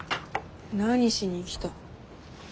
何しに来た？